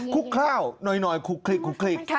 คลุกข้าวหน่อยคลุกคลิก